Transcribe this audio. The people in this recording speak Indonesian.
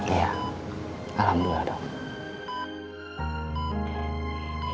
iya alhamdulillah dok